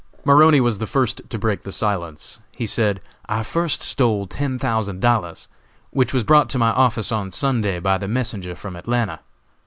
Maroney was the first to break the silence. He said: "I first stole ten thousand dollars, which was brought to my office on Sunday, by the messenger from Atlanta.